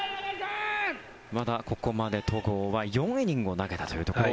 まだここまで戸郷は４イニングを投げたというところ。